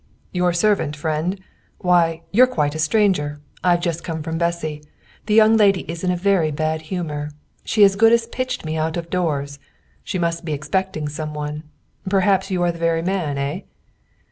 "Your servant, friend! Why, you're quite a stranger. I've just come from Bessy. The young lady is in a very bad humour. She as good as pitched me out of doors. She must be expecting some one. Perhaps you are the very man, eh?"